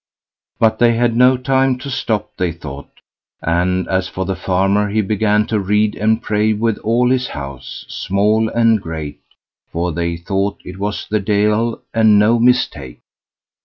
But they had no time to stop, they thought; and, as for the farmer, he began to read and pray with all his house, small and great, for they thought it was the Deil, and no mistake.